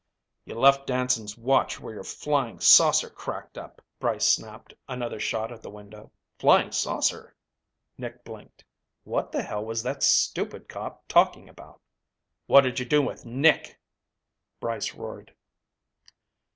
"You left Danson's watch where your flying saucer cracked up!" Brice snapped another shot at the window. Flying saucer? Nick blinked. What the hell was that stupid cop talking about? "What'd you do with Nick," Brice roared.